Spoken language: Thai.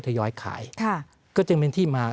ยอยขายก็จึงเป็นที่มา